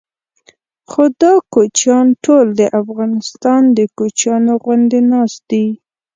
خو دا کوچیان ټول د افغانستان د کوچیانو غوندې ناست دي.